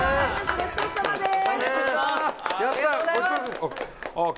ごちそうさまです！